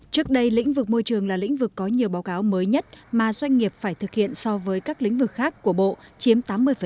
trước đây lĩnh vực môi trường là lĩnh vực có nhiều báo cáo mới nhất mà doanh nghiệp phải thực hiện so với các lĩnh vực khác của bộ chiếm tám mươi